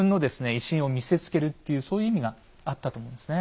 威信を見せつけるっていうそういう意味があったと思うんですね。